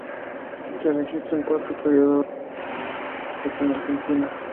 Se registran cuatro períodos de inmigración checa en Argentina.